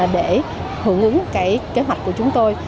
để hưởng ứng kế hoạch của chúng tôi